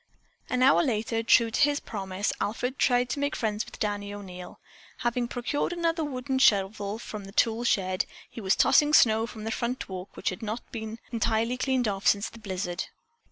An hour later, true to his promise, Alfred tried to make friends with Danny O'Neil. Having procured another wooden shovel from the tool shed, he was tossing snow from the front walk which had not been entirely cleaned off since the blizzard.